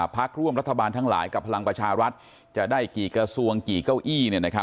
พักร่วมรัฐบาลทั้งหลายกับพลังประชารัฐจะได้กี่กระทรวงกี่เก้าอี้